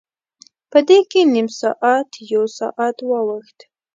په دې کې نیم ساعت، یو ساعت واوښت.